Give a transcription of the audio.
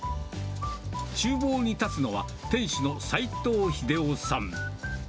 ちゅう房に立つのは、店主の齋藤秀夫さん。